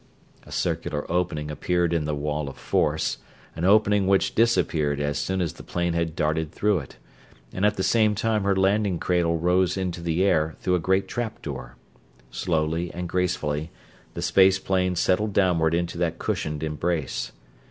A circular opening appeared in the wall of force, an opening which disappeared as soon as the plane had darted through it; and at the same time her landing cradle rose into the air through a great trap door. Slowly and gracefully the space plane settled downward into that cushioned embrace.